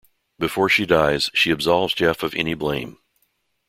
Before she dies, she absolves Jeff of any blame.